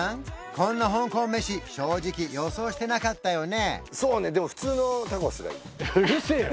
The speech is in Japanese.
こんな香港飯正直予想してなかったよね？